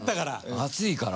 熱いから。